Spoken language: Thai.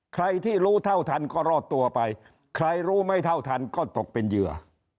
ใครที่รู้เท่าทันก็รอดตัวไปใครรู้ไม่เท่าทันก็ตกเป็นเหยื่อ